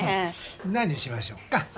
何にしましょうか？